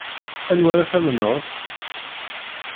Anwa ara tamneḍ.